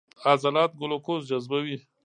عضلات ګلوکوز جذبوي.